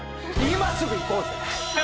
今すぐ行こうぜ！